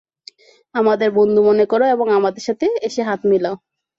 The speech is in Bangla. আমাদের বন্ধু মনে কর এবং আমাদের সাথে এসে হাত মিলাও।